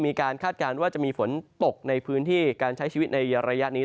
คาดการณ์ว่าจะมีฝนตกในพื้นที่การใช้ชีวิตในระยะนี้